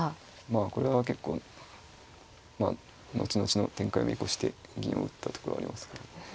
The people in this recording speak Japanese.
これは結構まあ後々の展開を見越して銀を打ったところありますかね。